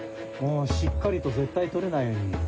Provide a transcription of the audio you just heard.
しっかりと絶対取れないように。